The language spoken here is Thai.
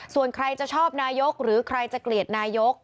ส่วนใครจะชอบนายกหรือใครจะเกลียดนายก